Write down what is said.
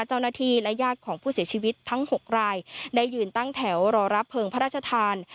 เจ้าหน้าที่และญาติของผู้เสียชีวิตทั้ง๖รายได้ยืนตั้งแถวรอรับเพลิงพระราชทาน